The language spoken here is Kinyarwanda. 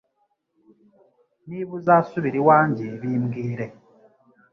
Niba uzasubira iwanjye bimbwire,